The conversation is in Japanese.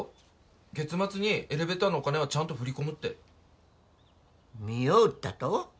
月末にエレベーターのお金はちゃんと振り込むって身を売ったと？